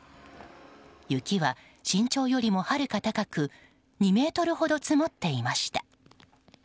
雪は身長よりもはるか高く２ｍほど積もっていました。